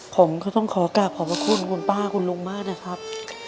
ผมก็ต้องขอกลับขอบพระคุณคุณป้าคุณลุงมากนะครับ